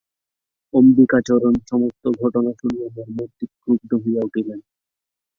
অম্বিকাচরণ সমস্ত ঘটনা শুনিয়া মর্মান্তিক ক্রুদ্ধ হইয়া উঠিলেন।